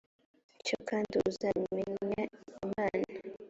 cyo kandi uzamenya imana